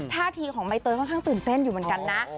ท่าทีของใบเตยค่อนข้างตื่นเต้นอยู่เหมือนกันนะ